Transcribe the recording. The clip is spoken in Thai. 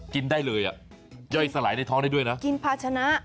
กินได้เลยอ่ะย่อยสลายในท้องได้ด้วยนะกินภาชนะ